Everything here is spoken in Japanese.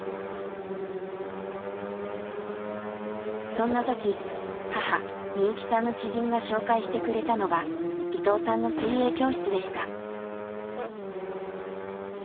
そんな時母美雪さんの知人が紹介してくれたのが伊藤さんの水泳教室でした。